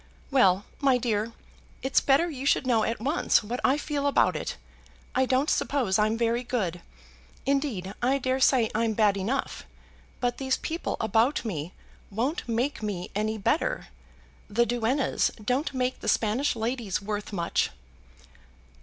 "Well, my dear, it's better you should know at once what I feel about it. I don't suppose I'm very good; indeed I dare say I'm bad enough, but these people about me won't make me any better. The duennas don't make the Spanish ladies worth much."